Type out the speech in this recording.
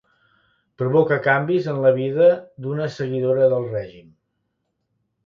Provoca canvis en la vida d'una seguidora del règim.